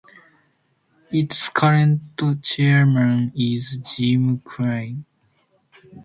Its current chairman is Jim Clynes.